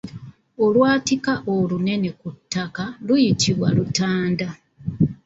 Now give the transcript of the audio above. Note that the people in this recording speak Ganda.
Olwatika olunene ku ttaka luyitibwa Lutanda.